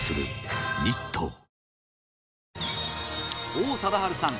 王貞治さん